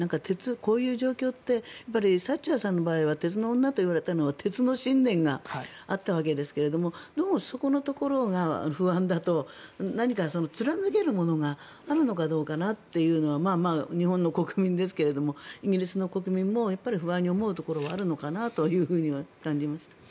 こういう状況ってサッチャーさんの場合は鉄の女といわれたのは鉄の信念があったわけですけどどうもそこのところが不安だと何か貫けるものがあるのかなというのはまあまあ、日本の国民ですけどイギリスの国民もやっぱり不安に思うところはあるのかなとは感じました。